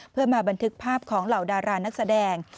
เพื่อมาบันทึกภาพของเหล่าดารานักแสดง